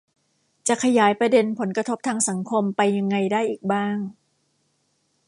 จะขยายประเด็นผลกระทบทางสังคมไปยังไงได้อีกบ้าง